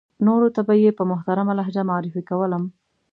نورو ته به یې په محترمه لهجه معرفي کولم.